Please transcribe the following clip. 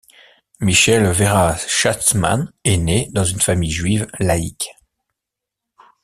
Michelle Véra Schatzman est née dans une famille juive laïque.